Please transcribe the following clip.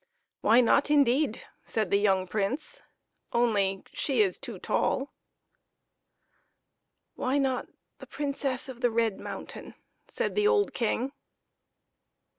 " Why not, indeed ?" said the young Prince, " only she is too tall." " Why not the Princess of the Red Mountain ?" said the old King.